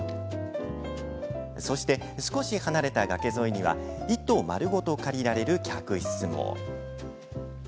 そして、少し離れた崖沿いには１棟丸ごと借りられる客室も。